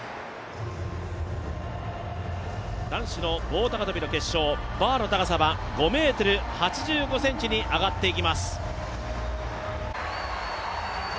男子の棒高跳びの決勝バーの高さは５ｍ８５ｃｍに上がっていきます。